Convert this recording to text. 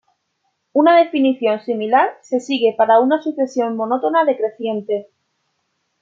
Una definición similar se sigue para una sucesión monótona decreciente.